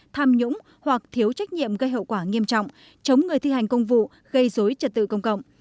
tham nhũng hoặc thiếu trách nhiệm gây hậu quả nghiêm trọng chống người thi hành công vụ gây dối trật tự công cộng